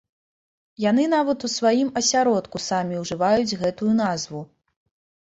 Яны нават у сваім асяродку самі ўжываюць гэтую назву.